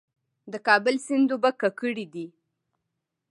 د کابل سیند اوبه ککړې دي؟